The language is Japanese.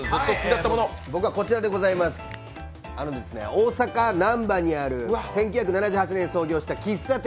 大阪・難波にある１９７８年に創業した喫茶店